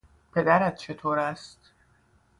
پدرت چطور است؟